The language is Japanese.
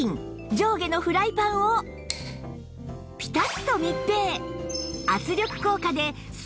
上下のフライパンをピタッと密閉